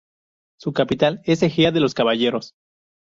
Su capital es Ejea de los Caballeros.